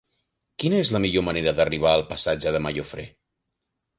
Quina és la millor manera d'arribar al passatge de Mallofré?